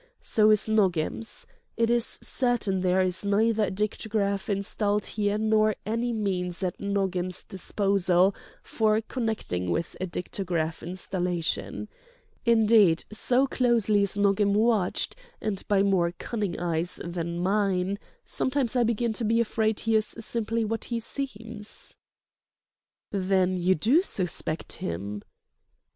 So is Nogam's. It is certain there is neither a dictograph installed here nor any means at Nogam's disposal for connecting with a dictograph installation. Indeed, so closely is Nogam watched, and by more cunning eyes than mine—sometimes I begin to be afraid he is simply what he seems." "Then you do suspect him!"